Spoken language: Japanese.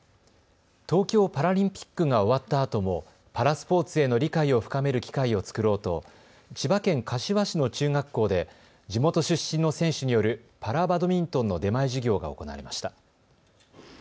東京パラリンピックが終わったあともパラスポーツへの理解を深める機会を作ろうと千葉県柏市の中学校で地元出身の選手によるパラバドミントンの出前授業が行われました。